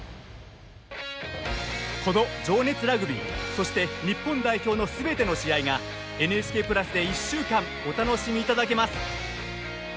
この「情熱ラグビー」そして、日本代表の全ての試合がＮＨＫプラスで１週間お楽しみいただけます。